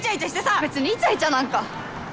別にイチャイチャなんか。